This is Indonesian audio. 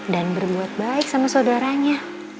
dan berbuat baik sama saudaranya